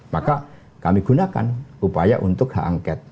maka kami gunakan upaya untuk hak angket